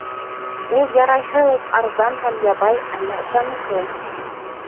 Ул ярайһы уҡ арзан һәм ябай, әммә ышаныслы.